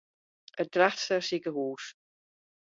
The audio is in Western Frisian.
It Drachtster sikehús.